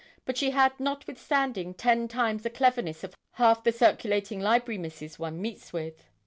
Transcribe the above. But she had, notwithstanding, ten times the cleverness of half the circulating library misses one meets with.